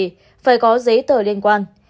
vì vậy phải có giấy tờ liên quan